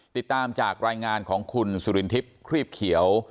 ติดตามจากรายงานของคุณสุรินทิพย์ครีบเขียว